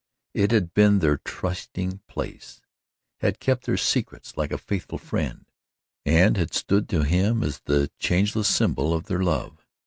It had been their trysting place had kept their secrets like a faithful friend and had stood to him as the changeless symbol of their love.